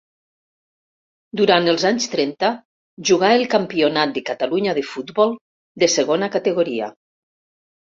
Durant els anys trenta, jugà el Campionat de Catalunya de futbol de segona categoria.